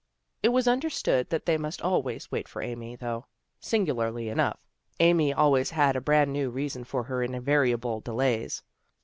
It was understood that they must always wait for Amy, though, sin gularly enough, Amy always had a brand new reason for her invariable delays.